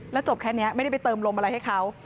แล้วจบแค่นี้ไม่ได้ไปเติมลมอะไรให้เขา